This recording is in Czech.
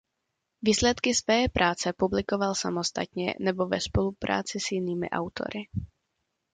Výsledky své práce publikoval samostatně nebo ve spolupráci s jinými autory.